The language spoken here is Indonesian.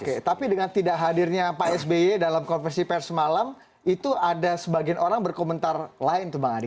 oke tapi dengan tidak hadirnya pak sby dalam konversi pers malam itu ada sebagian orang berkomentar lain tuh bang adi